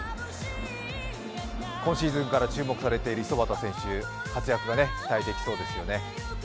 今シーズンから注目されている五十幡選手、活躍が期待できそうですよね。